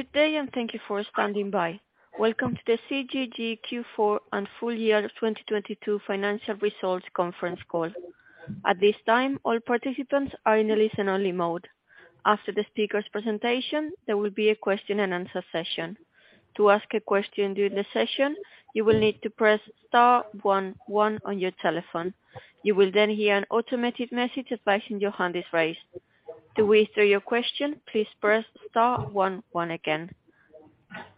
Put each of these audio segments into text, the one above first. Good day and thank you for standing by. Welcome to the CGG Q4 and full year 2022 financial results conference call. At this time, all participants are in a listen only mode. After the speaker's presentation, there will be a question and answer session. To ask a question during the session, you will need to press star one one on your telephone. You will then hear an automated message advising your hand is raised. To withdraw your question, please press star one one again.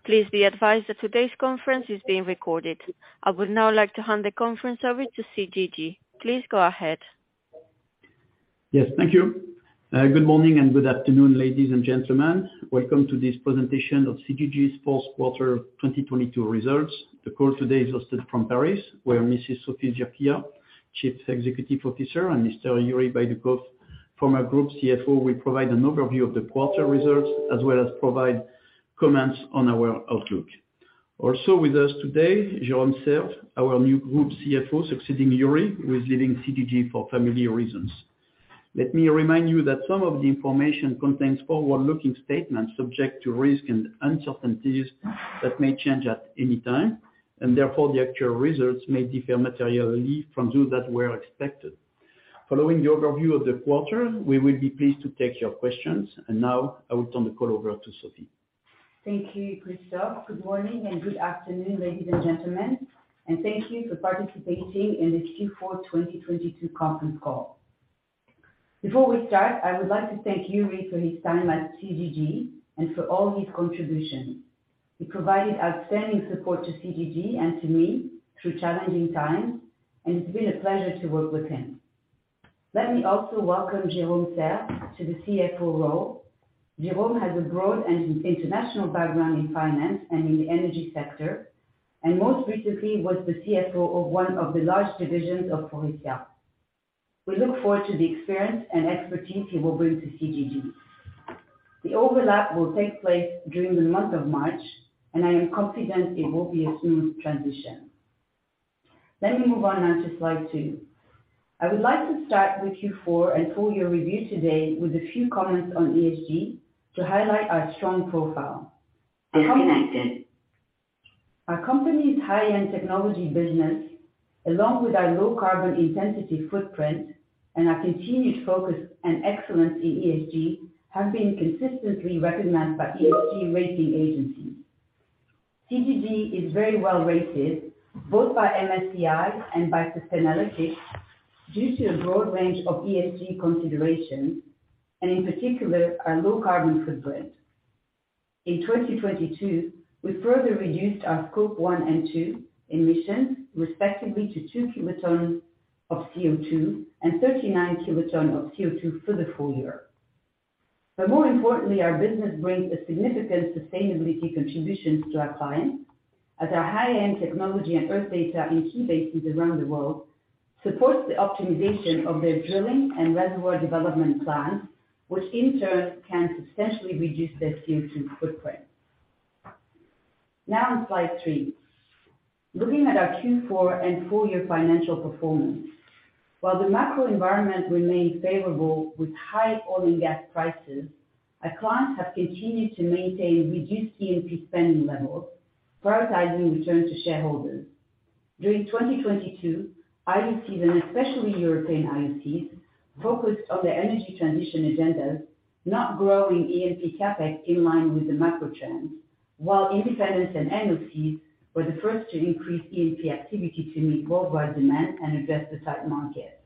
Please be advised that today's conference is being recorded. I would now like to hand the conference over to CGG. Please go ahead. Yes, thank you. Good morning and good afternoon, ladies and gentlemen. Welcome to this presentation of CGG's fourth quarter 2022 results. The call today is hosted from Paris, where Mrs. Sophie Zurquiyah, Chief Executive Officer, and Mr. Yuri Baidoukov, former group CFO, will provide an overview of the quarter results, as well as provide comments on our outlook. Also with us today, Jérôme Serve, our new group CFO, succeeding Yuri, who is leaving CGG for familiar reasons. Let me remind you that some of the information contains forward-looking statements subject to risks and uncertainties that may change at any time, and therefore the actual results may differ materially from those that were expected. Following the overview of the quarter, we will be pleased to take your questions. Now I will turn the call over to Sophie. Thank you, Christophe. Good morning and good afternoon, ladies and gentlemen, and thank you for participating in this Q4 2022 conference call. Before we start, I would like to thank Yuri for his time at CGG and for all his contributions. He provided outstanding support to CGG and to me through challenging times, and it's been a pleasure to work with him. Let me also welcome Jérôme Serve to the CFO role. Jérôme has a broad and international background in finance and in the energy sector, and most recently was the CFO of one of the large divisions of Faurecia. We look forward to the experience and expertise he will bring to CGG. The overlap will take place during the month of March, and I am confident it will be a smooth transition. Let me move on now to slide 2. I would like to start with Q4 and full year review today with a few comments on ESG to highlight our strong profile. Disconnected. Our company's high-end technology business, along with our low carbon intensity footprint and our continued focus and excellence in ESG, have been consistently recognized by ESG rating agencies. CGG is very well rated both by MSCI and by Sustainalytics due to a broad range of ESG considerations, and in particular, our low carbon footprint. In 2022, we further reduced our Scope 1 and 2 emissions, respectively, to 2 kilotonnes of CO2 and 39 kilotonnes of CO2 for the full year. More importantly, our business brings a significant sustainability contributions to our clients, as our high-end technology and Earth Data in key basins around the world supports the optimization of their drilling and reservoir development plans, which in turn can substantially reduce their CO2 footprint. On slide 3. Looking at our Q4 and full year financial performance. The macro environment remained favorable with high oil and gas prices, our clients have continued to maintain reduced E&P spending levels, prioritizing return to shareholders. During 2022, IOCs, and especially European IOCs, focused on their energy transition agendas, not growing E&P CapEx in line with the macro trends. Independents and NOCs were the first to increase E&P activity to meet worldwide demand and address the tight market.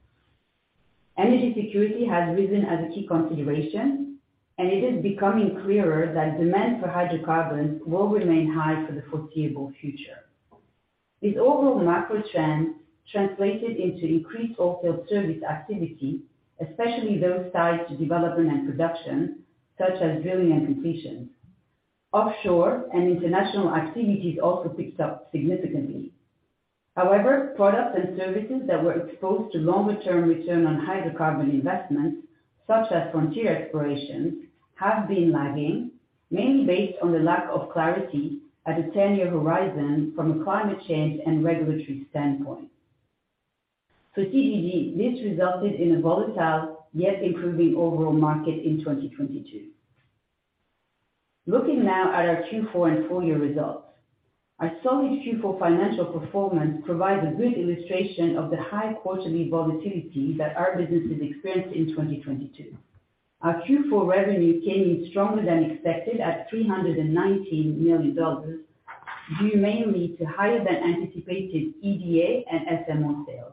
Energy security has risen as a key consideration, and it is becoming clearer that demand for hydrocarbons will remain high for the foreseeable future. These overall macro trends translated into increased off-field service activity, especially those tied to development and production, such as drilling and completion. Offshore and international activities also picked up significantly. Products and services that were exposed to longer-term return on hydrocarbon investments, such as frontier explorations, have been lagging, mainly based on the lack of clarity at a 10-year horizon from a climate change and regulatory standpoint. For CGG, this resulted in a volatile yet improving overall market in 2022. Looking now at our Q4 and full-year results. Our solid Q4 financial performance provides a good illustration of the high quarterly volatility that our businesses experienced in 2022. Our Q4 revenue came in stronger than expected at $319 million, due mainly to higher than anticipated EDA and SMO sales.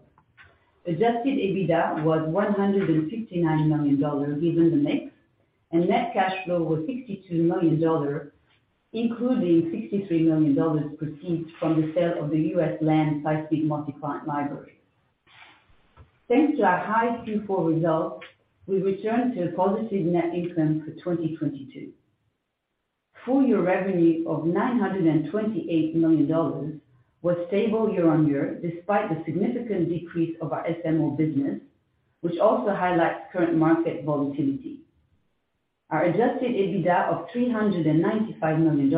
Adjusted EBITDA was $159 million given the mix, and net cash flow was $62 million, including $63 million received from the sale of the U.S. land seismic multi-client library. Thanks to our high Q4 results, we returned to a positive net income for 2022. Full year revenue of $928 million was stable year-over-year, despite the significant decrease of our SMO business, which also highlights current market volatility. Our adjusted EBITDA of $395 million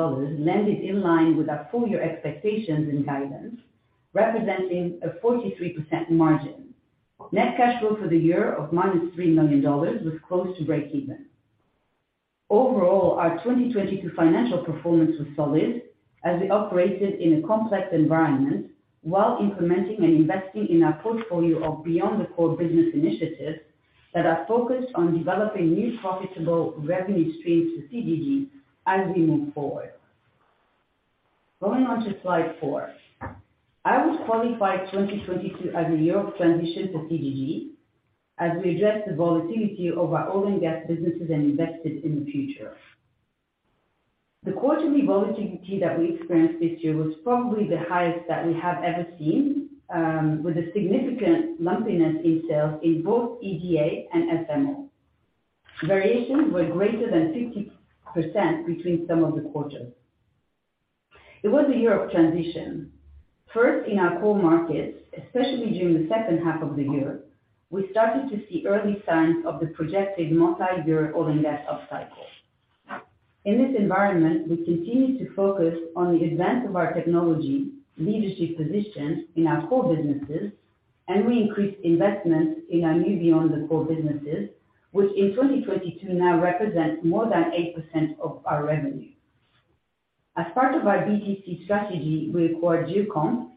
landed in line with our full year expectations and guidance, representing a 43% margin. Net cash flow for the year of -$3 million was close to breakeven. Overall, our 2022 financial performance was solid as we operated in a complex environment while implementing and investing in our portfolio of beyond the core business initiatives that are focused on developing new profitable revenue streams to CGG as we move forward. Going on to slide 4. I would qualify 2022 as a year of transition for CGG as we address the volatility of our oil and gas businesses and invested in the future. The quarterly volatility that we experienced this year was probably the highest that we have ever seen, with a significant lumpiness in sales in both EDA and SMO. Variations were greater than 50% between some of the quarters. It was a year of transition, first in our core markets, especially during the second half of the year. We started to see early signs of the projected multi-year oil and gas upcycle. In this environment, we continued to focus on the advance of our technology leadership position in our core businesses. We increased investments in our new beyond the core businesses, which in 2022 now represent more than 8% of our revenue. As part of our B2C strategy, we acquired Geocomp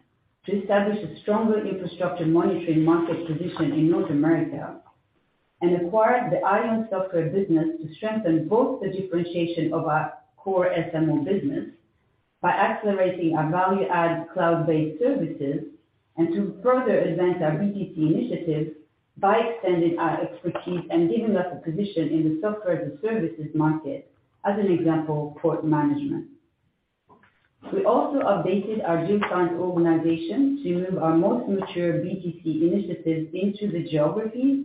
to establish a stronger infrastructure monitoring market position in North America and acquired the ION Software business to strengthen both the differentiation of our core SMO business by accelerating our value-add cloud-based services and to further advance our B2C initiatives by extending our expertise and giving us a position in the software as a services market, as an example, port management. We also updated our geoscience organization to move our most mature B2C initiatives into the geographies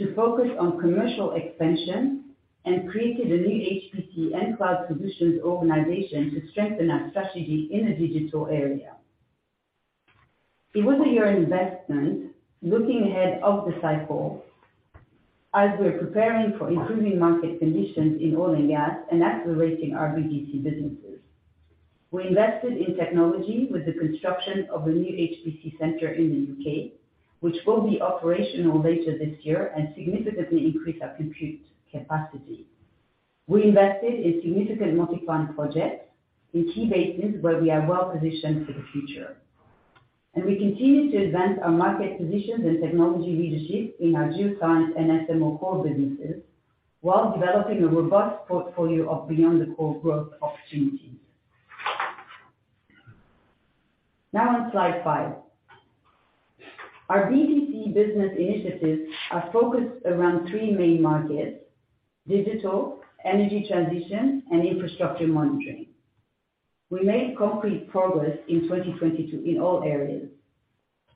to focus on commercial expansion and created a new HPC and Cloud Solutions organization to strengthen our strategy in a digital area. It was a year of investment looking ahead of the cycle as we are preparing for improving market conditions in oil and gas and accelerating our B2C businesses. We invested in technology with the construction of a new HPC center in the U.K., which will be operational later this year and significantly increase our compute capacity. We invested in significant multi-client projects in key basins where we are well positioned for the future. We continue to advance our market positions and technology leadership in our geoscience and SMO core businesses while developing a robust portfolio of beyond the core growth opportunities. On slide 5. Our BTC business initiatives are focused around 3 main markets: digital, energy transition, and infrastructure monitoring. We made concrete progress in 2022 in all areas.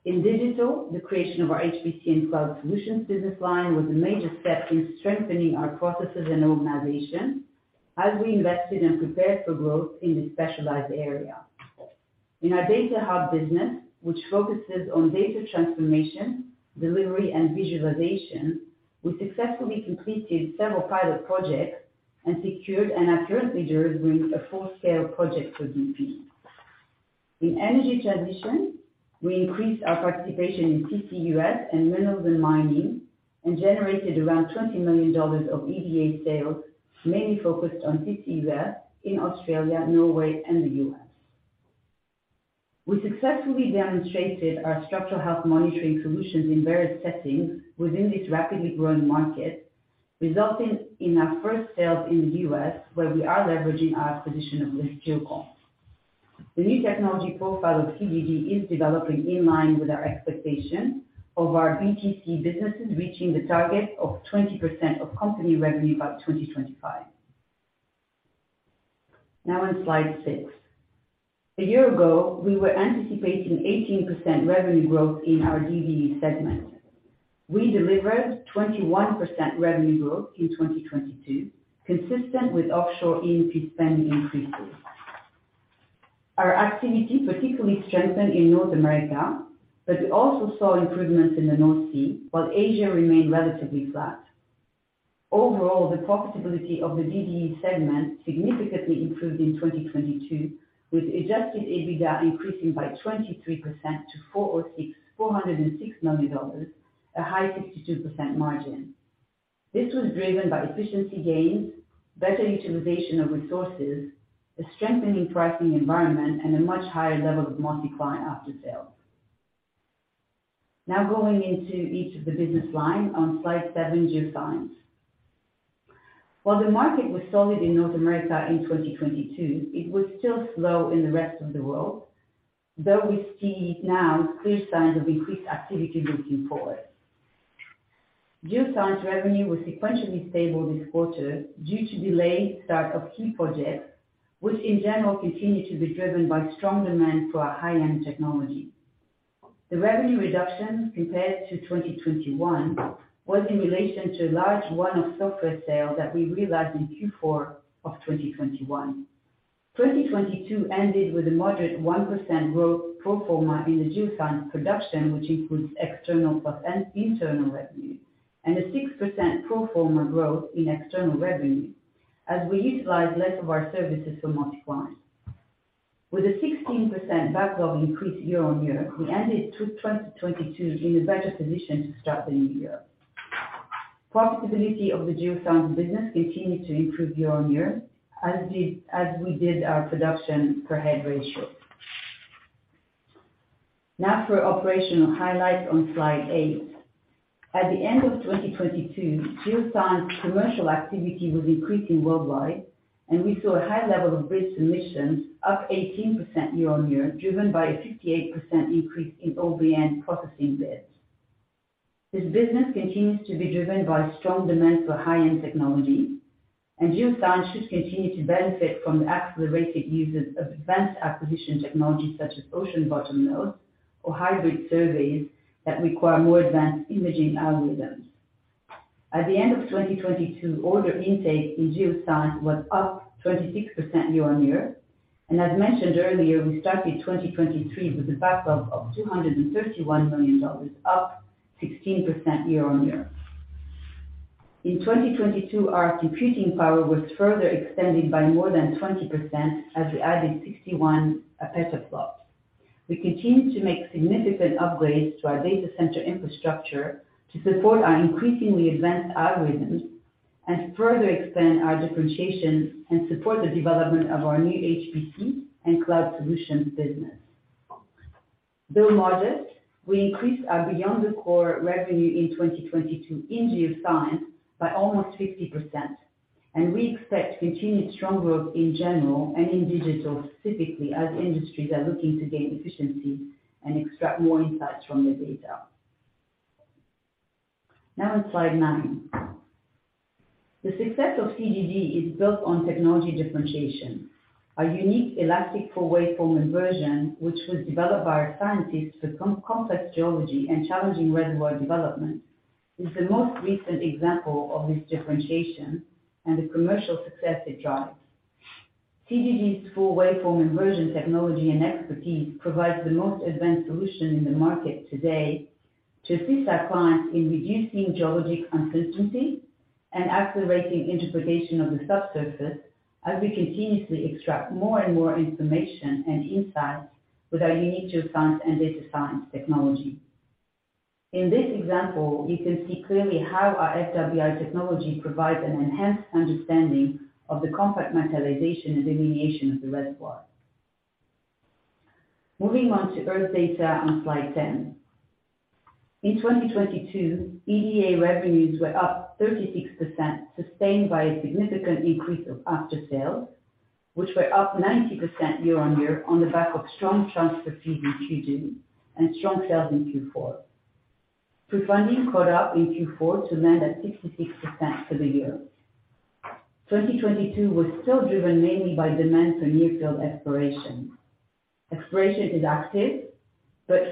In digital, the creation of our HPC & Cloud Solutions business line was a major step in strengthening our processes and organization as we invested and prepared for growth in this specialized area. In our DataHub business, which focuses on data transformation, delivery, and visualization, we successfully completed several pilot projects and secured and are currently delivering a full-scale project for BP. In energy transition, we increased our participation in CCUS and minerals and mining, and generated around $20 million of EDA sales, mainly focused on CCUS in Australia, Norway, and the U.S. We successfully demonstrated our structural health monitoring solutions in various settings within this rapidly growing market, resulting in our first sales in the U.S., where we are leveraging our acquisition of this Geocomp. The new technology profile of DDE is developing in line with our expectation of our B2C businesses, reaching the target of 20% of company revenue by 2025. On slide 6, a year ago, we were anticipating 18% revenue growth in our DDE segment. We delivered 21% revenue growth in 2022, consistent with offshore E&P spend increases. Our activity particularly strengthened in North America, we also saw improvements in the North Sea, while Asia remained relatively flat. Overall, the profitability of the DDE segment significantly improved in 2022, with adjusted EBITDA increasing by 23% to $406 million, a high 62% margin. Going into each of the business line on slide 7, geoscience. While the market was solid in North America in 2022, it was still slow in the rest of the world, though we see now clear signs of increased activity looking forward. Geoscience revenue was sequentially stable this quarter due to delayed start of key projects, which in general continued to be driven by strong demand for our high-end technology. The revenue reduction compared to 2021 was in relation to a large one-off software sale that we realized in Q4 of 2021. 2022 ended with a moderate 1% growth pro forma in the geoscience production, which includes external plus internal revenue, and a 6% pro forma growth in external revenue as we utilized less of our services for multi-client. With a 16% backlog increase year-on-year, we ended 2022 in a better position to start the new year. Profitability of the geoscience business continued to improve year-on-year, as we did our production per head ratio. Now for operational highlights on slide 8. At the end of 2022, geoscience commercial activity was increasing worldwide. We saw a high level of bridge submissions, up 18% year-over-year, driven by a 58% increase in OBN processing bids. This business continues to be driven by strong demand for high-end technology. Geoscience should continue to benefit from the accelerated uses of advanced acquisition technologies such as ocean bottom node or hybrid surveys that require more advanced imaging algorithms. At the end of 2022, order intake in geoscience was up 26% year-over-year. As mentioned earlier, we started 2023 with a backlog of $231 million, up 16% year-over-year. In 2022, our computing power was further extended by more than 20% as we added 61 petaflop. We continue to make significant upgrades to our data center infrastructure to support our increasingly advanced algorithms and further extend our differentiation and support the development of our new HPC and cloud solutions business. Though modest, we increased our beyond the core revenue in 2022 in geoscience by almost 50%. We expect continued strong growth in general and in digital specifically as industries are looking to gain efficiency and extract more insights from their data. On slide 9. The success of CGG is built on technology differentiation. Our unique elastic full waveform inversion, which was developed by our scientists for complex geology and challenging reservoir development, is the most recent example of this differentiation and the commercial success it drives. CGG's full waveform inversion technology and expertise provides the most advanced solution in the market today to assist our clients in reducing geologic uncertainty and accelerating interpretation of the subsurface, as we continuously extract more and more information and insights with our unique geoscience and data science technology. In this example, we can see clearly how our FWI technology provides an enhanced understanding of the compact metalization and delineation of the reservoir. Moving on to Earth Data on slide 10. In 2022, EDA revenues were up 36%, sustained by a significant increase of after-sales, which were up 90% year-on-year on the back of strong transfer fees in Q2 and strong sales in Q4. Prefunding caught up in Q4 to land at 66% for the year. 2022 was still driven mainly by demand for new field exploration. Exploration is active,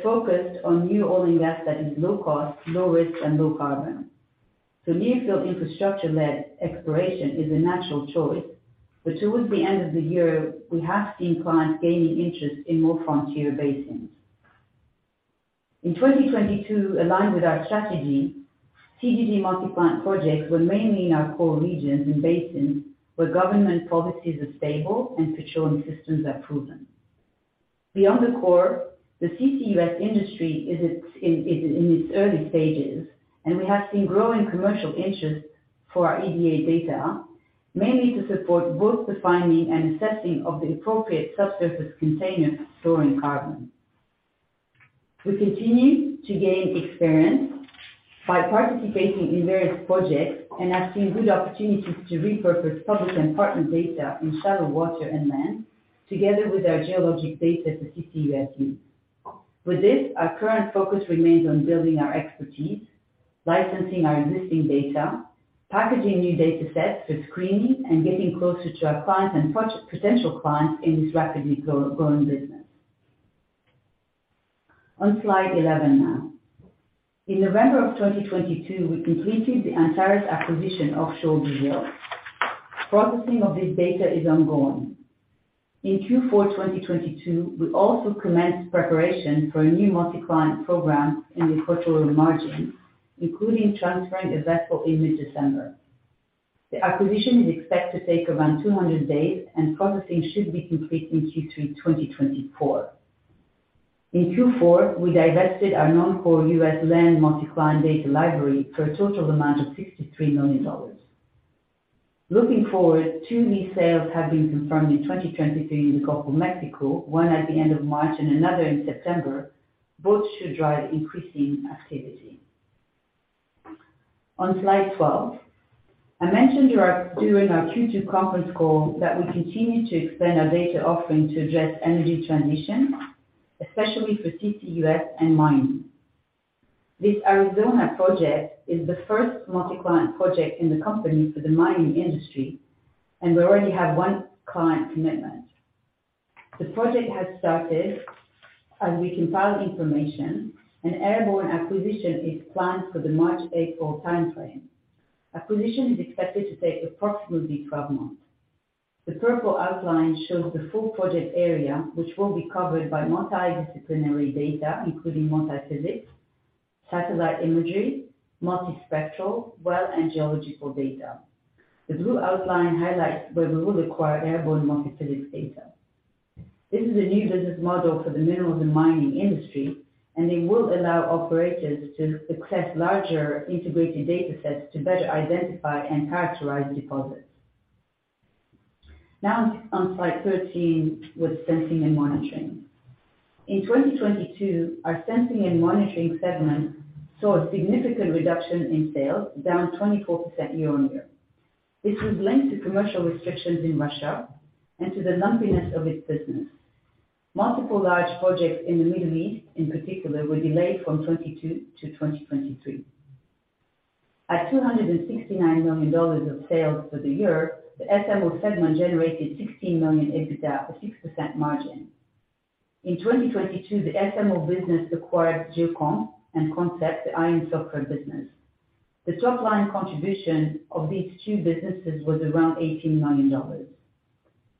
focused on new oil and gas that is low cost, low risk and low carbon. New field infrastructure-led exploration is a natural choice. Towards the end of the year, we have seen clients gaining interest in more frontier basins. In 2022, aligned with our strategy, CGG multi-client projects were mainly in our core regions and basins, where government policies are stable and petroleum systems are proven. Beyond the core, the CCUS industry is in its early stages, and we have seen growing commercial interest for our EDA data, mainly to support both the finding and assessing of the appropriate subsurface container for storing carbon. We continue to gain experience by participating in various projects and have seen good opportunities to repurpose public and partner data in shallow water and land, together with our geologic data for CCUS use. With this, our current focus remains on building our expertise, licensing our existing data, packaging new datasets for screening, and getting closer to our clients and potential clients in this rapidly growing business. On slide 11 now. In November of 2022, we completed the Antares acquisition offshore Brazil. Processing of this data is ongoing. In Q4 2022, we also commenced preparation for a new multi-client program in the equatorial margin, including transferring a vessel in mid-December. The acquisition is expected to take around 200 days, and processing should be complete in Q3 2024. In Q4, we divested our non-core US land multi-client data library for a total amount of $63 million. Looking forward, 2 new sales have been confirmed in 2023 in the Gulf of Mexico, one at the end of March and another in September. Both should drive increasing activity. On slide 12. I mentioned during our Q2 conference call that we continue to expand our data offering to address energy transition, especially for CCUS and mining. This Arizona project is the first multi-client project in the company for the mining industry, and we already have one client commitment. The project has started as we compile information, and airborne acquisition is planned for the March/April timeframe. Acquisition is expected to take approximately 12 months. The purple outline shows the full project area, which will be covered by multidisciplinary data, including multiphysics. Satellite imagery, multispectral, well, and geological data. We do outline highlights where we will acquire airborne multiphysics data. This is a new business model for the minerals and mining industry, and they will allow operators to access larger integrated data sets to better identify and characterize deposits. Now on slide 13 with sensing and monitoring. In 2022, our sensing and monitoring segment saw a significant reduction in sales, down 24% year-on-year. This was linked to commercial restrictions in Russia and to the lumpiness of its business. Multiple large projects in the Middle East in particular were delayed from 2022 to 2023. At $269 million of sales for the year, the SMO segment generated $16 million EBITDA, a 6% margin. In 2022, the SMO business acquired Geocomp and Concept, the IM software business. The top line contribution of these two businesses was around $18 million.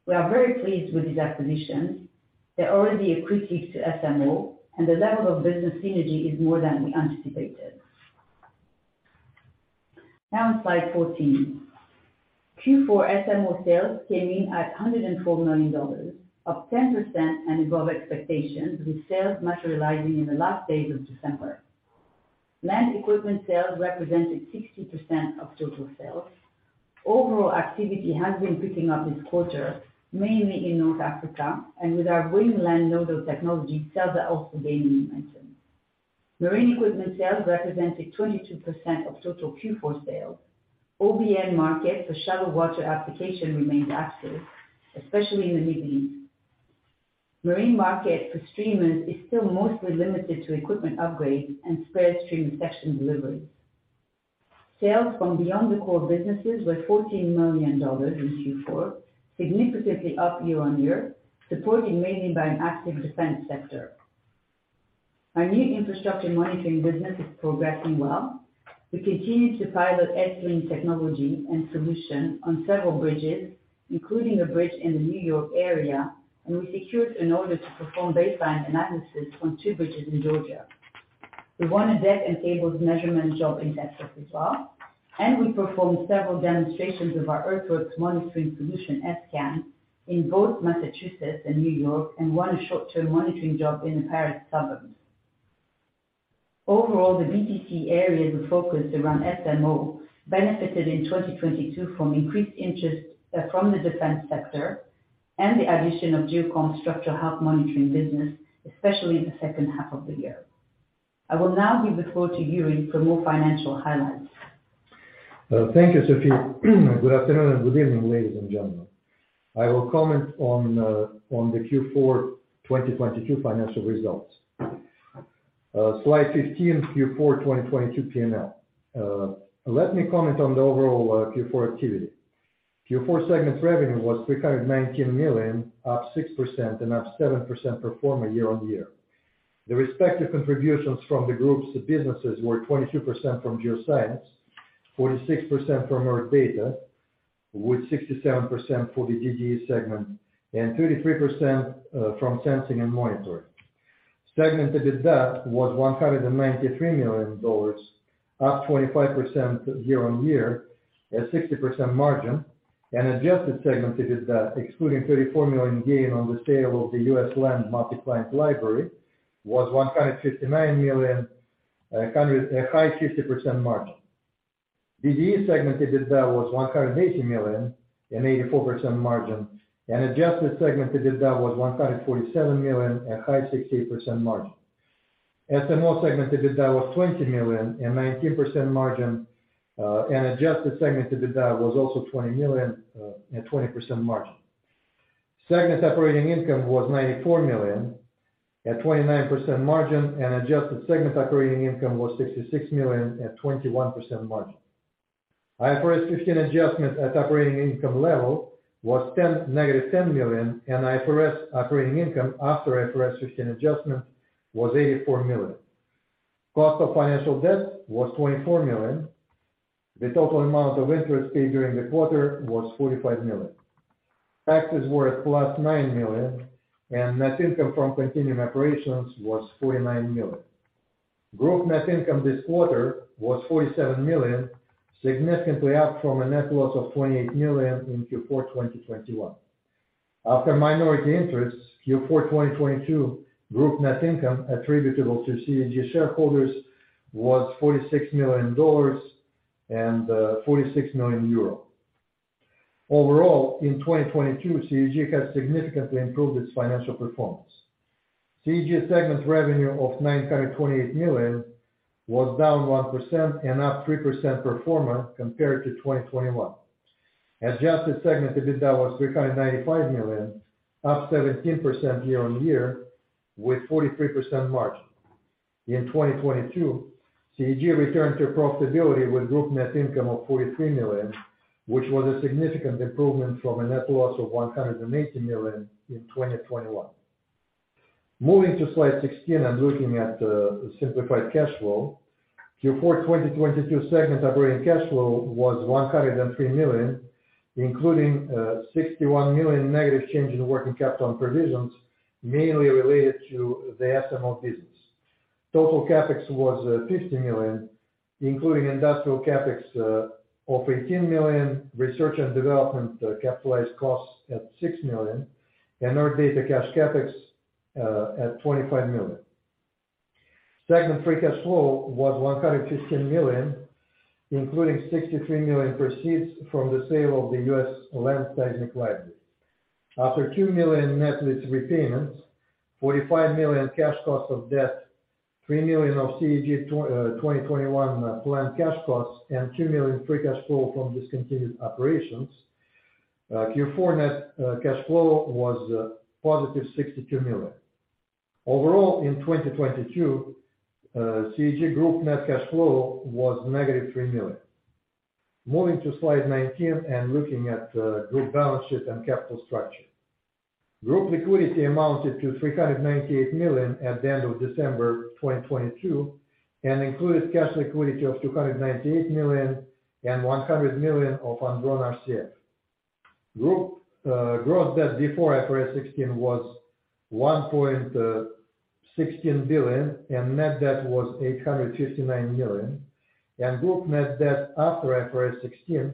We are very pleased with these acquisitions. They're already accretive to SMO and the level of business synergy is more than we anticipated. On slide 14. Q4 SMO sales came in at $104 million, up 10% and above expectations, with sales materializing in the last days of December. Land equipment sales represented 60% of total sales. Overall activity has been picking up this quarter, mainly in North Africa and with our WiNG land nodal technology, sales are also gaining momentum. Marine equipment sales represented 22% of total Q4 sales. OBN market for shallow water application remains active, especially in the Middle East. Marine market for streamers is still mostly limited to equipment upgrades and spare stream section deliveries. Sales from beyond the core businesses were $14 million in Q4, significantly up year-on-year, supported mainly by an active defense sector. Our new infrastructure monitoring business is progressing well. We continue to pilot S-lynks technology and solution on several bridges, including a bridge in the New York area. We secured an order to perform baseline analysis on 2 bridges in Georgia. We won a deck and cables measurement job in Texas as well. We performed several demonstrations of our earthworks monitoring solution, S-Scan, in both Massachusetts and New York. We won a short-term monitoring job in the Paris suburbs. Overall, the B2C areas of focus around SMO benefited in 2022 from increased interest from the defense sector and the addition of Geocomp structural health monitoring business, especially in the second half of the year. I will now give the floor to Yuri for more financial highlights. Thank you, Sophie. Good afternoon and good evening, ladies and gentlemen. I will comment on the Q4 2022 financial results. Slide 15, Q4 2022 P&L. Let me comment on the overall Q4 activity. Q4 segment revenue was $319 million, up 6% and up 7% pro forma year-on-year. The respective contributions from the group's businesses were 22% from geoscience, 46% from Earth Data, with 67% for the GGR segment and 33% from sensing and monitoring. Segment EBITDA was $193 million, up 25% year-on-year at 60% margin. And adjusted segmented EBITDA, excluding $34 million gain on the sale of the US Land Multi-Client Library, was $159 million, coming with a high 60% margin. GGR segmented EBITDA was $180 million, an 84% margin, and adjusted segmented EBITDA was $147 million at high 68% margin. SMO segmented EBITDA was $20 million and 19% margin, and adjusted segmented EBITDA was also $20 million and 20% margin. Segment operating income was $94 million at 29% margin, and adjusted segment operating income was $66 million at 21% margin. IFRS 15 adjustment at operating income level was -$10 million and IFRS operating income after IFRS 15 adjustment was $84 million. Cost of financial debt was $24 million. The total amount of interest paid during the quarter was $45 million. Taxes were +$9 million, and net income from continuing operations was $49 million. Group net income this quarter was $47 million, significantly up from a net loss of $28 million in Q4 2021. After minority interests, Q4 2022 group net income attributable to CGG shareholders was $46 million and 46 million euro. Overall, in 2022, CGG has significantly improved its financial performance. CGG segment revenue of $928 million was down 1% and up 3% pro forma compared to 2021. Adjusted segmented EBITDA was $395 million, up 17% year-on-year with 43% margin. In 2022, CGG returned to profitability with group net income of $43 million, which was a significant improvement from a net loss of $180 million in 2021. Moving to slide 16 and looking at the simplified cash flow. Q4 2022 segment operating cash flow was $103 million, including $61 million negative change in working capital and provisions mainly related to the SMO business. Total CapEx was $50 million, including industrial CapEx of $18 million, research and development capitalized costs at $6 million, and Earth Data cash CapEx at $25 million. Segment free cash flow was $115 million, including $63 million proceeds from the sale of the U.S. land seismic library. After $2 million net lease repayments, $45 million cash cost of debt, $3 million of CGG 2021 planned cash costs, and $2 million free cash flow from discontinued operations, Q4 net cash flow was positive $62 million. Overall, in 2022, CGG group net cash flow was - $3 million. Moving to slide 19 and looking at group balance sheet and capital structure. Group liquidity amounted to $398 million at the end of December 2022, and included cash liquidity of $298 million and $100 million of undrawn RCF. Group gross debt before IFRS 16 was $1.16 billion, and net debt was $859 million. Group net debt after IFRS 16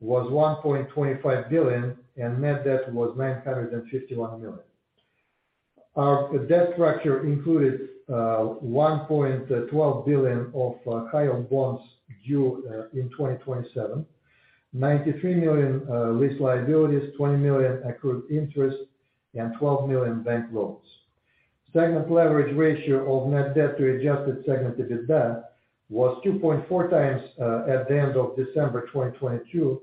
was $1.25 billion, and net debt was $951 million. Our debt structure included $1.12 billion of high-yield bonds due in 2027, $93 million lease liabilities, $20 million accrued interest, and $12 million bank loans. Segment leverage ratio of net debt to adjusted segment adjusted debt was 2.4 times at the end of December 2022,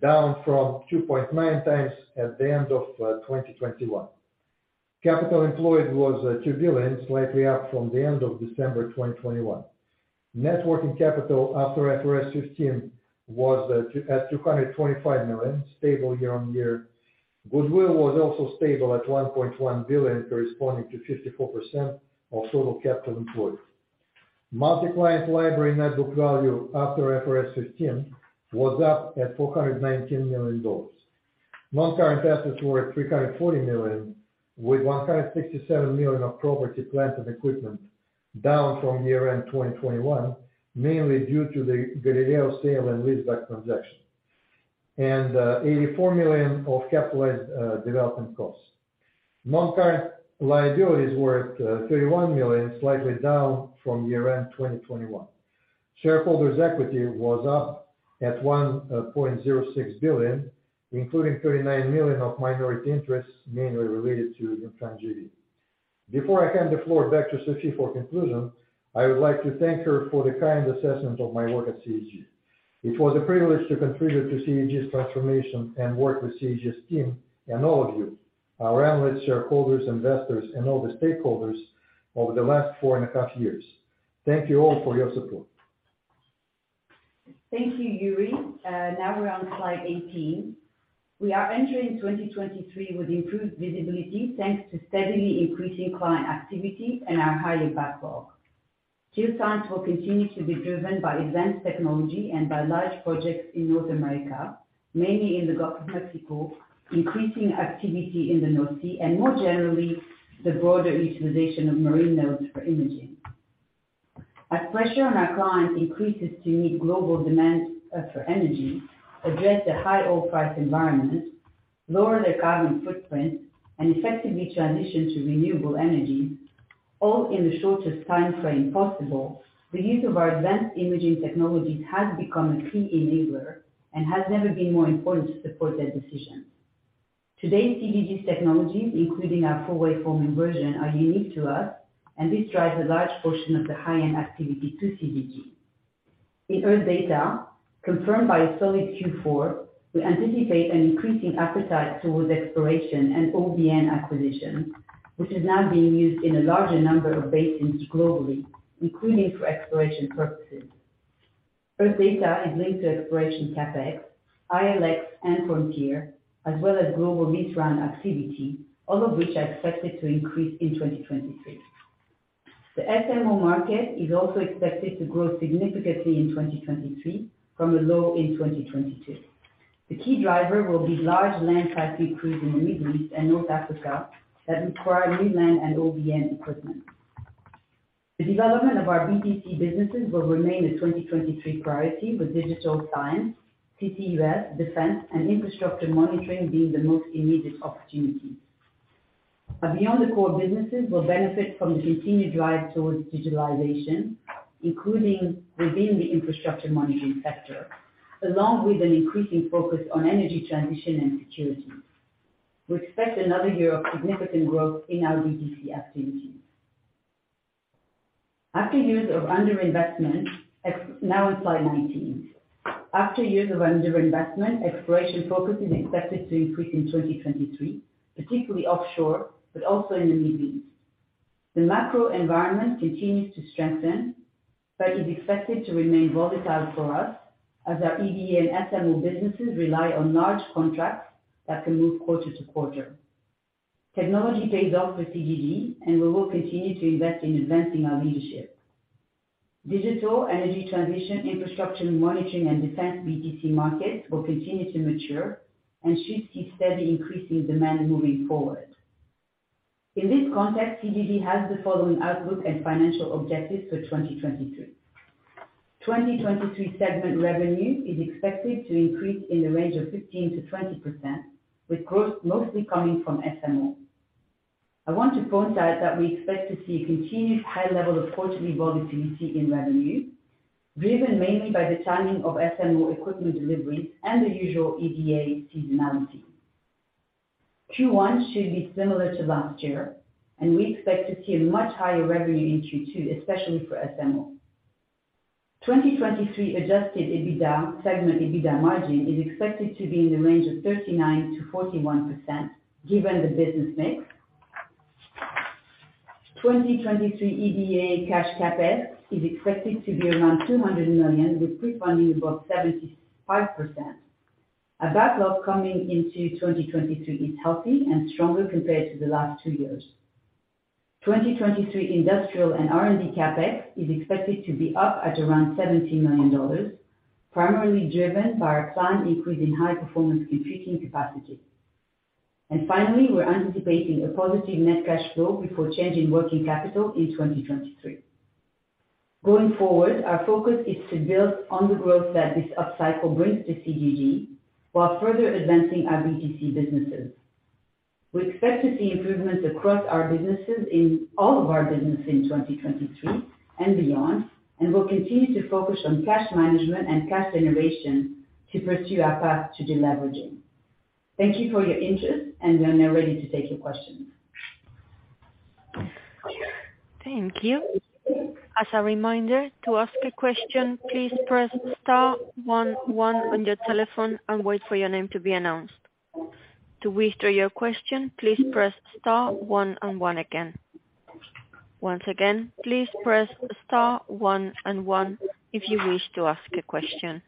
down from 2.9 times at the end of 2021. Capital employed was $2 billion, slightly up from the end of December 2021. Net working capital after IFRS 15 was at $225 million, stable year-on-year. Goodwill was also stable at $1.1 billion, corresponding to 54% of total capital employed. Multi-client library net book value after IFRS 15 was up at $419 million. Non-current assets were at $340 million, with $167 million of property, plant and equipment down from year-end 2021, mainly due to the Galileo sale and leaseback transaction, and $84 million of capitalized development costs. Non-current liabilities were at $31 million, slightly down from year-end 2021. Shareholders' equity was up at $1.06 billion, including $39 million of minority interests mainly related to stamp duty. Before I hand the floor back to Sophie for conclusion, I would like to thank her for the kind assessment of my work at CGG. It was a privilege to contribute to CGG's transformation and work with CGG's team and all of you, our analysts, shareholders, investors, and all the stakeholders over the last 4.5 years. Thank you all for your support. Thank you, Yuri. Now we're on slide 18. We are entering 2023 with improved visibility, thanks to steadily increasing client activity and our higher backlog. Geoscience will continue to be driven by advanced technology and by large projects in North America, mainly in the Gulf of Mexico, increasing activity in the North Sea, and more generally, the broader utilization of marine nodes for imaging. As pressure on our clients increases to meet global demand for energy, address the high oil price environment, lower their carbon footprint, and effectively transition to renewable energy, all in the shortest timeframe possible, the use of our advanced imaging technologies has become a key enabler and has never been more important to support their decisions. Today's CGG technologies, including our full waveform inversion, are unique to us, and this drives a large portion of the high-end activity to CGG. In Earth Data, confirmed by a solid Q4, we anticipate an increasing appetite towards exploration and OBN acquisition, which is now being used in a larger number of basins globally, including for exploration purposes. Earth Data is linked to exploration CapEx, ILX, and Frontier, as well as global midstream activity, all of which are expected to increase in 2023. The SMO market is also expected to grow significantly in 2023 from a low in 2022. The key driver will be large land seismic crews in the Middle East and North Africa that require new land and OBN equipment. The development of our B2C businesses will remain a 2023 priority, with digital science, CCUS, defense, and infrastructure monitoring being the most immediate opportunities. Our beyond the core businesses will benefit from the continued drive towards digitalization, including within the infrastructure monitoring sector, along with an increasing focus on energy transition and security. We expect another year of significant growth in our B2C activities. After years of underinvestment, now on slide 19. After years of underinvestment, exploration focus is expected to increase in 2023, particularly offshore, but also in the Middle East. The macro environment continues to strengthen, but is expected to remain volatile for us as our EDA and SMO businesses rely on large contracts that can move quarter to quarter. Technology pays off for CGG, and we will continue to invest in advancing our leadership. Digital energy transition, infrastructure monitoring and defense BTC markets will continue to mature and should see steady increasing demand moving forward. In this context, CGG has the following outlook and financial objectives for 2023. 2023 segment revenue is expected to increase in the range of 15%-20%, with growth mostly coming from SMO. I want to point out that we expect to see a continued high level of quarterly volatility in revenue, driven mainly by the timing of SMO equipment delivery and the usual EDA seasonality. Q1 should be similar to last year, and we expect to see a much higher revenue in Q2, especially for SMO. 2023 adjusted EBITDA segment EBITDA margin is expected to be in the range of 39%-41%, given the business mix. 2023 EDA cash CapEx is expected to be around $200 million, with pre-funding above 75%. Our backlog coming into 2023 is healthy and stronger compared to the last 2 years. 2023 industrial and R&D CapEx is expected to be up at around $70 million, primarily driven by our planned increase in high-performance computing capacity. Finally, we're anticipating a positive net cash flow before change in working capital in 2023. Going forward, our focus is to build on the growth that this upcycle brings to CGG while further advancing our BTC businesses. We expect to see improvements across our businesses in all of our business in 2023 and beyond, and we'll continue to focus on cash management and cash generation to pursue our path to deleveraging. Thank you for your interest. We are now ready to take your questions. Thank you. As a reminder, to ask a question, please press star one one on your telephone and wait for your name to be announced. To withdraw your question, please press star one and one again. Once again, please press star one and one if you wish to ask a question.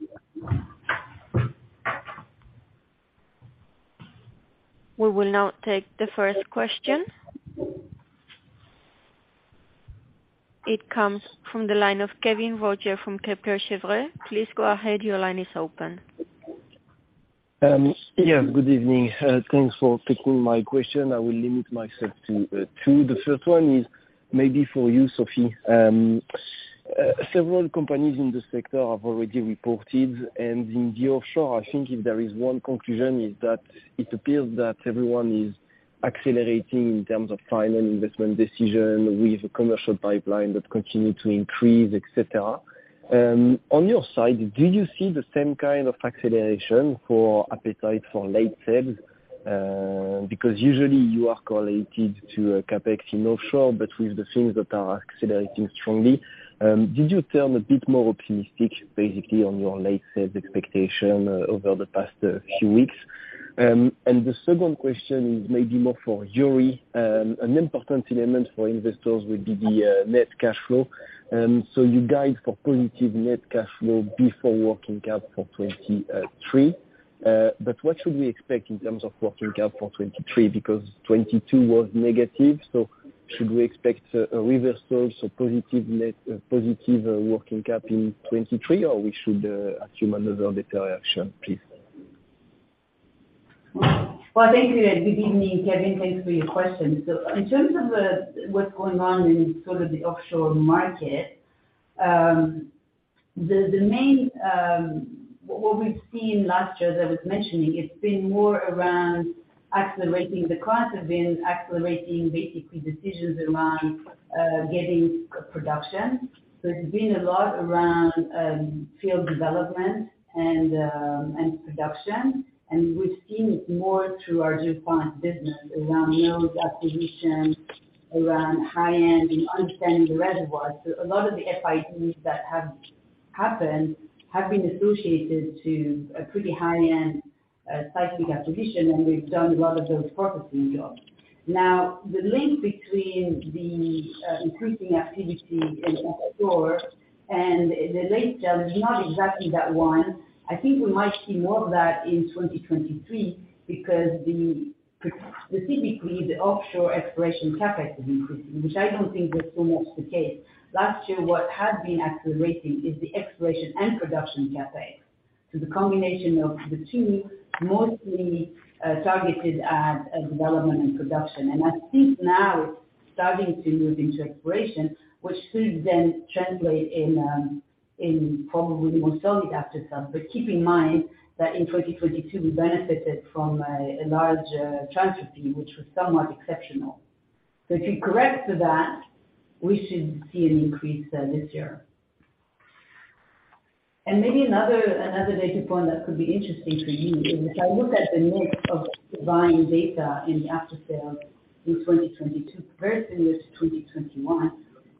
We will now take the first question. It comes from the line of Kévin Roger from Kepler Cheuvreux. Please go ahead. Your line is open. Yeah, good evening. Thanks for taking my question. I will limit myself to two. The first one is maybe for you, Sophie. Several companies in this sector have already reported, and in the offshore, I think if there is one conclusion, it's that it appears that everyone is accelerating in terms of final investment decision with a commercial pipeline that continue to increase, et cetera. On your side, do you see the same kind of acceleration for appetite for late sales? Because usually you are correlated to CapEx in offshore, but with the things that are accelerating strongly, did you turn a bit more optimistic basically on your late sales expectation over the past few weeks? The second question is maybe more for Yuri. An important element for investors will be the net cash flow. You guide for positive net cash flow before working cap for 2023. What should we expect in terms of working cap for 2023? 2022 was negative, so should we expect a reversal, so positive net, positive working cap in 2023, or we should assume another deterioration, please? Well, thank you. Good evening, Kévin. Thanks for your questions. In terms of what's going on in sort of the offshore market, the main what we've seen last year that I was mentioning, it's been more around accelerating the clients have been accelerating basically decisions around getting production. It's been a lot around field development and production, and we've seen it more through our Geocomp business around nodes acquisition, around high-end and understanding the reservoir. A lot of the FITs that have happened have been associated to a pretty high-end seismic acquisition, and we've done a lot of those processing jobs. Now, the link between the increasing activity in offshore and the late sale is not exactly that one. I think we might see more of that in 2023 because specifically the offshore exploration CapEx is increasing, which I don't think was so much the case. Last year, what had been accelerating is the exploration and production CapEx. The combination of the two mostly targeted at development and production. I think now it's starting to move into exploration, which should then translate in probably more solid after sale. Keep in mind that in 2022, we benefited from a large transfer fee, which was somewhat exceptional. If you correct for that, we should see an increase this year. Maybe another data point that could be interesting for you is if I look at the mix of buying data in the after sale in 2022 versus 2021,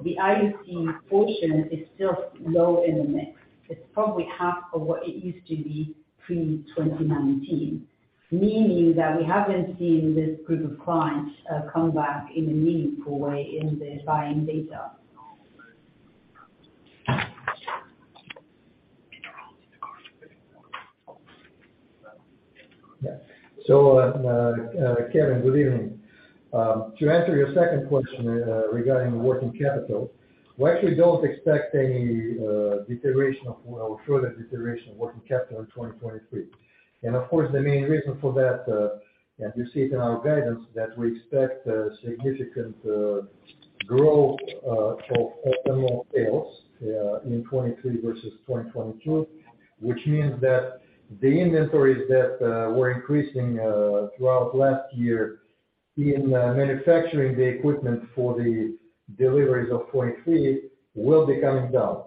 the IEC portion is still low in the mix. It's probably half of what it used to be pre 2019. Meaning that we haven't seen this group of clients come back in a meaningful way in the buying data. Yeah. So Kévin, good evening. To answer your second question regarding working capital, we actually don't expect any deterioration of or further deterioration of working capital in 2023. Of course, the main reason for that, as you see it in our guidance, that we expect a significant growth of sales in 2023 versus 2022. Which means that the inventories that were increasing throughout last year in manufacturing the equipment for the deliveries of 2023 will be coming down.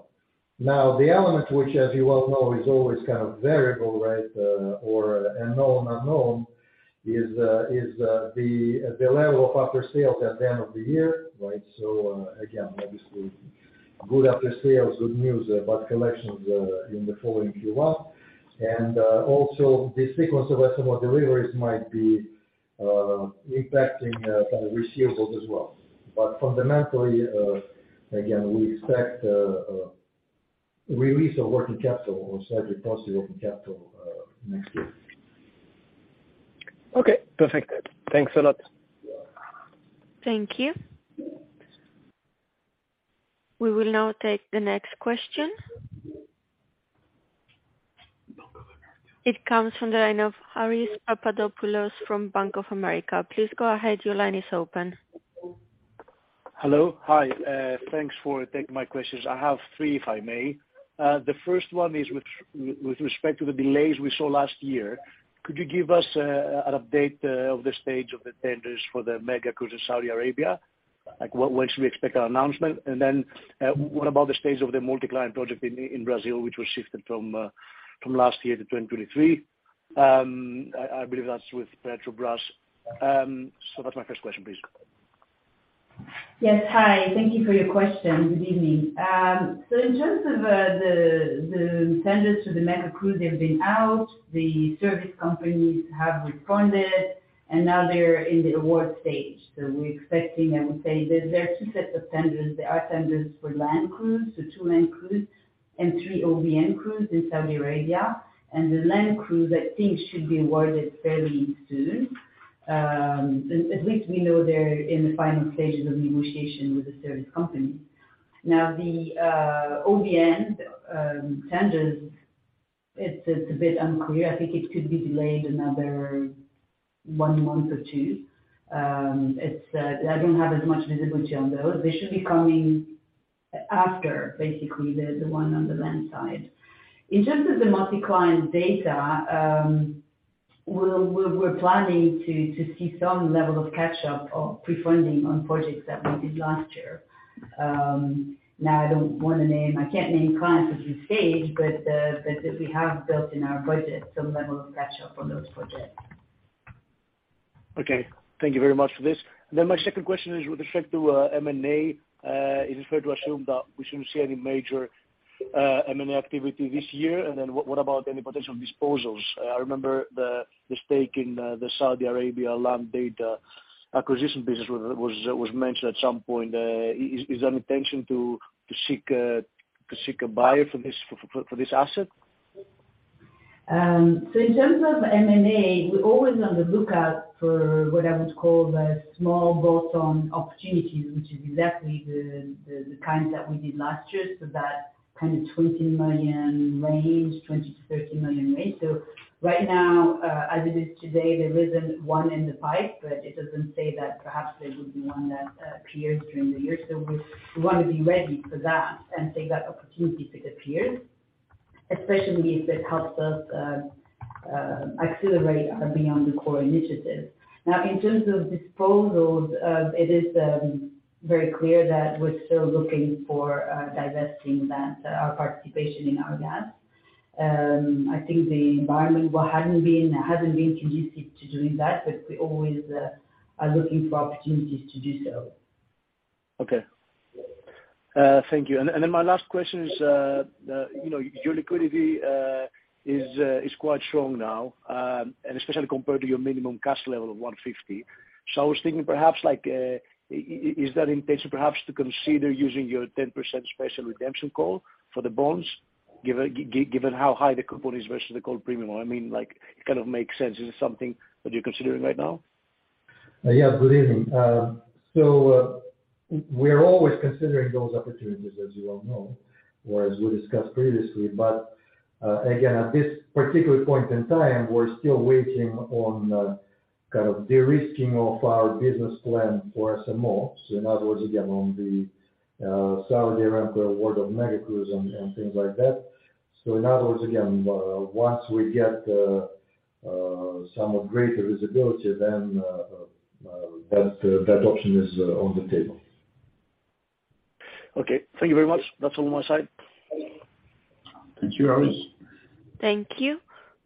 The element which as you well know, is always kind of variable, right? Or a known unknown, is the level of after sales at the end of the year, right? Again, obviously good after sales, good news about collections in the following Q1. Also the sequence of deliveries might be impacting kind of receivables as well. Fundamentally, again, we expect release of working capital or slightly positive working capital next year. Okay. Perfect. Thanks a lot. Thank you. We will now take the next question. It comes from the line of Haris Papadopoulos from Bank of America. Please go ahead. Your line is open. Hello. Hi. Thanks for taking my questions. I have three, if I may. The first one is with respect to the delays we saw last year. Could you give us an update of the stage of the tenders for the mega crews in Saudi Arabia? Like, when should we expect an announcement? What about the stage of the multi-client project in Brazil, which was shifted from last year to 2023? I believe that's with Petrobras. That's my first question, please. Yes. Hi. Thank you for your question. Good evening. In terms of the tenders to the mega crews, they've been out, the service companies have responded, and now they're in the award stage. We're expecting, I would say there are two sets of tenders. There are tenders for land crews, so 2 land crews and 3 OBN crews in Saudi Arabia. The land crews, I think should be awarded fairly soon. At least we know they're in the final stages of negotiation with the service company. The OBN tenders, it's a bit unclear. I think it could be delayed another 1 month or 2. I don't have as much visibility on those. They should be coming after basically the one on the land side. In terms of the multi-client data, we're planning to see some level of catch up or pre-funding on projects that we did last year. Now I don't wanna name, I can't name clients at this stage, but we have built in our budget some level of catch up on those projects. Okay. Thank you very much for this. My second question is with respect to M&A. Is it fair to assume that we shouldn't see any major M&A activity this year? What about any potential disposals? I remember the stake in the Saudi Arabia land data acquisition business was mentioned at some point. Is there an intention to seek a buyer for this asset? In terms of M&A, we're always on the lookout for what I would call the small bolt-on opportunities, which is exactly the kinds that we did last year. That kind of $20 million range, $20 million-$30 million range. Right now, as it is today, there isn't one in the pipe, but it doesn't say that perhaps there would be one that appears during the year. We wanna be ready for that and take that opportunity if it appears, especially if it helps us accelerate our Beyond the Core initiatives. In terms of disposals, it is very clear that we're still looking for divesting our participation in Our Gap. I think the environment hasn't been conducive to doing that, but we always are looking for opportunities to do so. Okay. Thank you. My last question is, you know, your liquidity is quite strong now. Especially compared to your minimum cash level of $150 million. I was thinking perhaps like, is there intention perhaps to consider using your 10% special redemption call for the bonds? Given how high the coupon is versus the call premium. I mean, like, it kind of makes sense. Is it something that you're considering right now? Yeah, good evening. We're always considering those opportunities, as you well know, or as we discussed previously. Again, at this particular point in time, we're still waiting on kind of de-risking of our business plan for SMO. In other words, again, on the Saudi Aramco award of mega crews and things like that. In other words, again, once we get somewhat greater visibility then that option is on the table. Okay. Thank you very much. That's all on my side. Thank you, Haris. Thank you.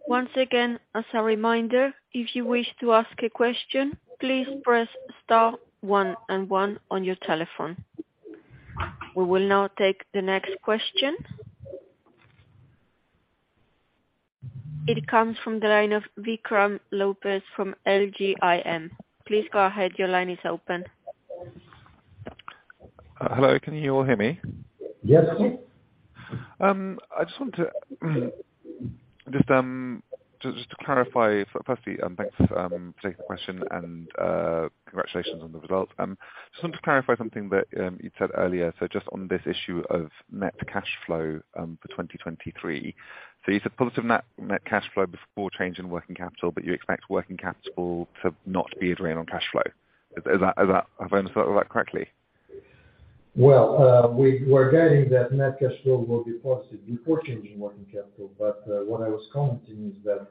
Once again, as a reminder, if you wish to ask a question, please press star one and one on your telephone. We will now take the next question. It comes from the line of Vikram Lopez from LGIM. Please go ahead. Your line is open. Hello. Can you all hear me? Yes. I just want to clarify. Firstly, thanks for taking the question and congratulations on the results. Just want to clarify something that you'd said earlier. Just on this issue of net cash flow for 2023. You said positive net cash flow before change in working capital, but you expect working capital to not be a drain on cash flow. Have I understood that correctly? Well, we were guiding that net cash flow will be positive before changing working capital. What I was commenting is that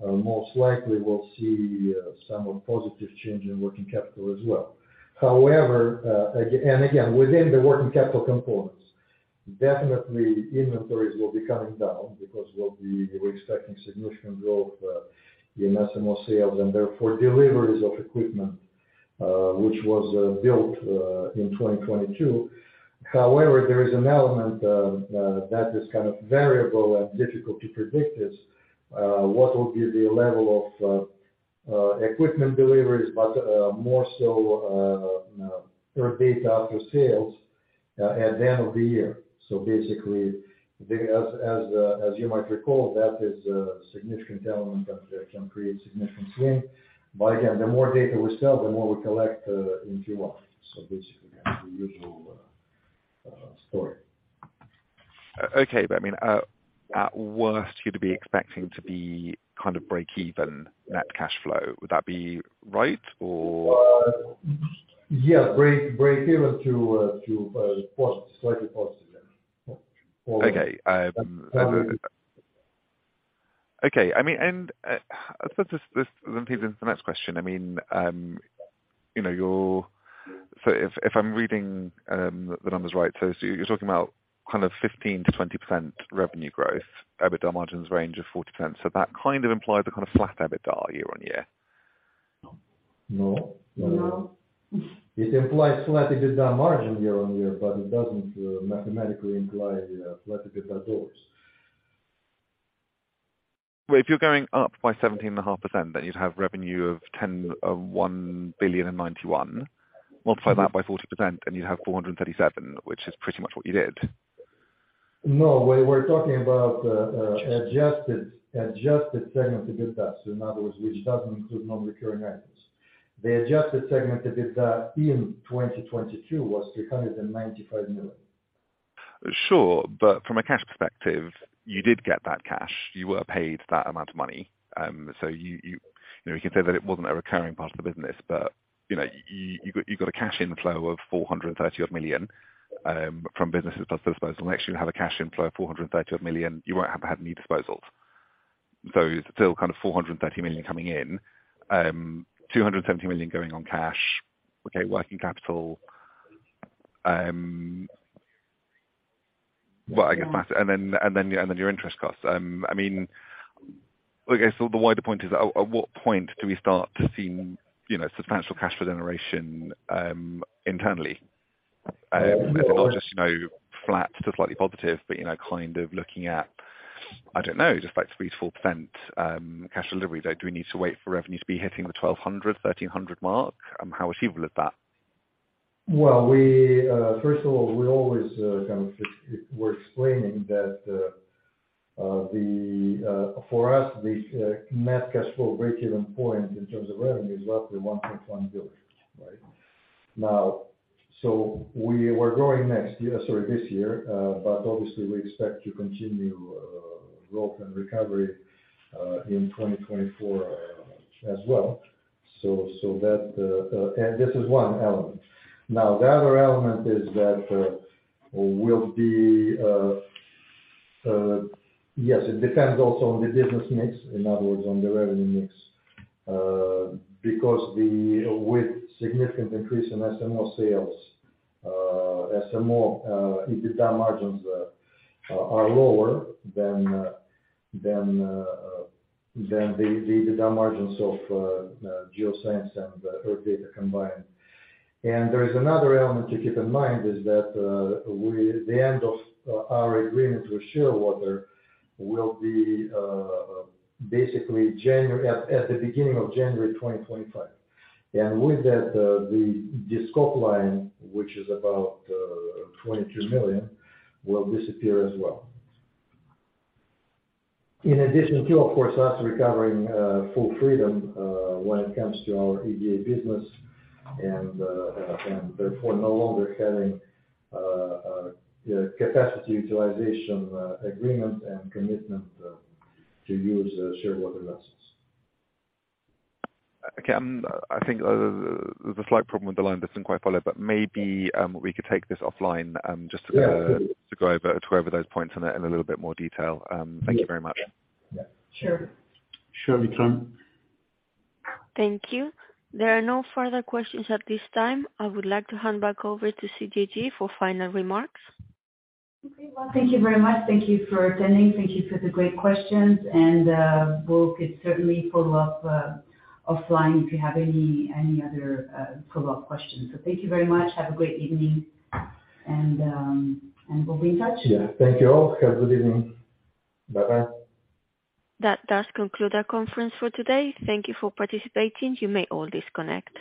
most likely we'll see some of positive change in working capital as well. However, and again, within the working capital components, definitely inventories will be coming down because we're expecting significant growth in SMO sales and therefore deliveries of equipment, which was built in 2022. However, there is an element that is kind of variable and difficult to predict is what will be the level of equipment deliveries, but more so per data after sales at the end of the year. Basically, as you might recall, that is a significant element that can create significant swing. Again, the more data we sell, the more we collect in Q1. Basically, yeah, it's the usual story. Okay. I mean, at worst you'd be expecting to be kind of breakeven net cash flow. Would that be right? Yeah. Breakeven to positive, slightly positive. Yeah. Okay. Um. Okay. I mean, this then feeds into the next question. I mean, you know, if I'm reading the numbers right, you're talking about kind of 15%-20% revenue growth, EBITDA margins range of 4%-10%. That kind of implies a kind of flat EBITDA year-on-year. No. No? No. It implies flat EBITDA margin year-on-year, but it doesn't mathematically imply flat EBITDA dollars. If you're going up by 17.5%, then you'd have revenue of $1.091 billion. Multiply that by 40%, then you'd have $437 million, which is pretty much what you did. No, we were talking about adjusted segment EBITDA. In other words, which doesn't include non-recurring items. The adjusted segment EBITDA in 2022 was $395 million. Sure. From a cash perspective, you did get that cash. You were paid that amount of money. So you know, you can say that it wasn't a recurring part of the business, but, you know, you got a cash inflow of $430 odd million from businesses plus disposals. Next year you'll have a cash inflow of $430 odd million. You won't have had any disposals. Still kind of $430 million coming in. $270 million going on cash. Okay, working capital. Well, I guess that's it. Then your interest costs. I mean, I guess the wider point is at what point do we start to see, you know, substantial cash flow generation internally? I guess it all just, you know, flat to slightly positive, but, you know, kind of looking at, just like 3%-4%, cash delivery. Do we need to wait for revenue to be hitting the $1,200, $1,300 mark? How achievable is that? Well, first of all, we always kind of we're explaining that for us, the net cash flow breakeven point in terms of revenue is roughly $1.1 billion. Right? Now, we were growing next year, sorry, this year, but obviously we expect to continue growth and recovery in 2024 as well. So that, this is one element. Now, the other element is that, Yes, it depends also on the business mix, in other words, on the revenue mix. Because with significant increase in SMO sales, SMO EBITDA margins are lower than the EBITDA margins of geoscience and Earth Data combined. There is another element to keep in mind is that, the end of our agreement with Shearwater will be at the beginning of January 2025. With that, the scope line, which is about $22 million, will disappear as well. In addition to, of course, us recovering full freedom, when it comes to our EDA business and therefore no longer having capacity utilization agreement and commitment to use Shearwater license. Okay. I think there's a slight problem with the line. Doesn't quite follow, but maybe we could take this offline... Yeah. ...to go over those points in a little bit more detail. Thank you very much. Yeah. Sure. Sure, Vikram. Thank you. There are no further questions at this time. I would like to hand back over to CGG for final remarks. Okay. Well, thank you very much. Thank you for attending. Thank you for the great questions. We'll get certainly follow up offline if you have any other follow-up questions. Thank you very much. Have a great evening and we'll be in touch. Yeah. Thank you all. Have a good evening. Bye-bye. That does conclude our conference for today. Thank you for participating. You may all disconnect.